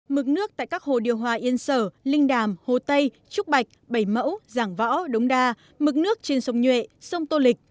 mực nước tại các hồ điều hòa yên sở linh đàm hồ tây trúc bạch bảy mẫu giảng võ đống đa mực nước trên sông nhuệ sông tô lịch